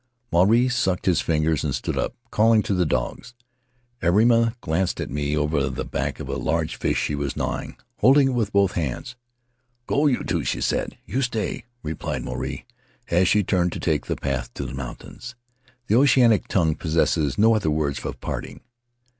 Maruae sucked his fingers and stood up, calling to the dogs. Airima glanced at me over the back of a large fish she was gnawing, holding it with both hands. Faery Lands of the South Seas "Go, you two," she said. "You stay," replied Maruae, as he turned to take the path to the mountains. The oceanic tongue possesses no other words of parting.